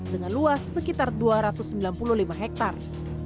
dengan luas sekitar dua ratus sembilan puluh lima hektare